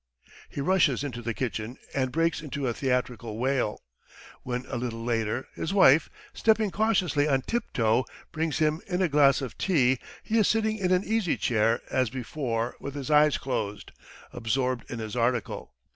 He rushes into the kitchen and breaks into a theatrical wail. When a little later, his wife, stepping cautiously on tiptoe, brings him in a glass of tea, he is sitting in an easy chair as before with his eyes closed, absorbed in his article.